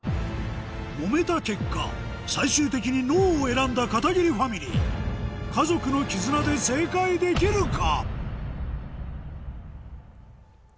揉めた結果最終的に「Ｎｏ」を選んだ片桐ファミリー家族の絆で正解できるか？